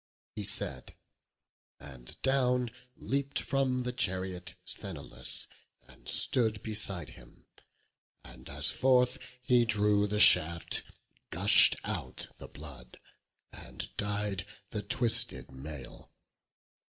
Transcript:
He said, and down Leap'd from the chariot Sthenelus, and stood Beside him; and as forth he drew the shaft, Gush'd out the blood, and dyed the twisted mail.